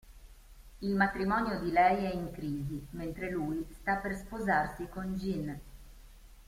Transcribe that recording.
Il matrimonio di lei è in crisi, mentre lui sta per sposarsi con Gin.